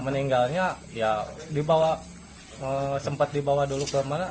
meninggalnya di bawah sempat dibawa dulu ke mana